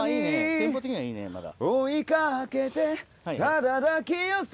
テンポ的にはいいねまだ。